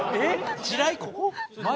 地雷ここ？